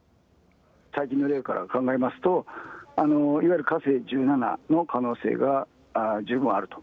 最近の例から考えますと、いわゆる火星１７の可能性が十分あると。